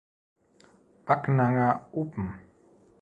Backnanger Open".